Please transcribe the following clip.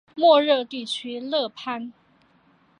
莫热地区勒潘。